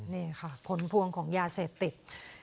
นี่ค่ะผลพวงของยาเสพติด